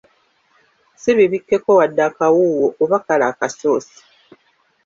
Si bibikkeko wadde akawuuwo oba kale akasoosi.